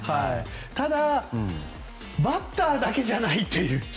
ただバッターだけじゃないという。